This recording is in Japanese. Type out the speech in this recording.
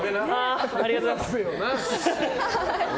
ありがとうございます。